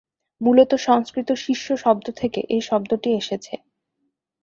মূলত সংস্কৃত "শিষ্য" শব্দ থেকে এই শব্দটি এসেছে।